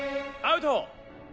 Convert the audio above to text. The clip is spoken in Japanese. アウト！